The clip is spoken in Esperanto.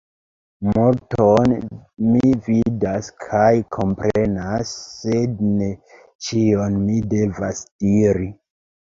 Multon mi vidas kaj komprenas, sed ne ĉion mi devas diri.